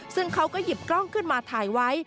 ซึ่งเขาก็หยิบกล้องขึ้นมาถ่ายไว้